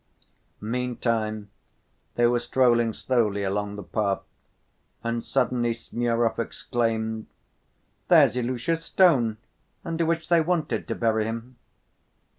Meantime they were strolling slowly along the path and suddenly Smurov exclaimed: "There's Ilusha's stone, under which they wanted to bury him."